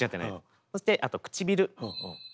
そしてあと唇。